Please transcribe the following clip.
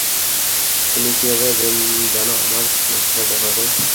তুমি কিভাবে জানো আমার সমস্যার ব্যাপারে?